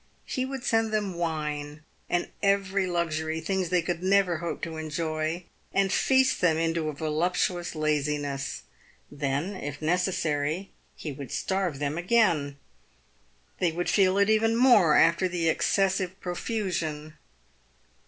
He would send them wine, and every luxury — things they could never hope to enjoy — and feast them into a voluptuous laziness. Then, if necessary, he would starve them again. They would feel it even more after the excessive profusion.